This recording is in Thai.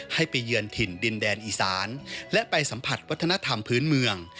ไปเยือนถิ่นดินแดนอีสานและไปสัมผัสวัฒนธรรมพื้นเมือง